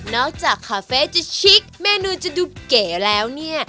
จากคาเฟ่จะชิคเมนูจะดูเก๋แล้วเนี่ย